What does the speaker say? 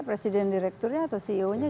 presiden direkturnya atau ceo nya